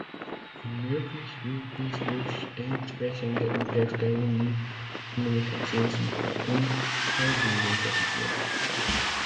Möglich wird dies durch entsprechende Unterstellungen, Kommunikationsmittel und Verbindungsoffiziere.